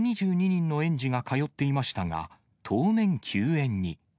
１２２人の園児が通っていましたが、当面、休園に。